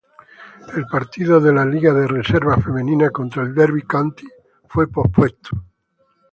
El partido de la Liga de Reserva Femenina contra el Derby County fue pospuesto.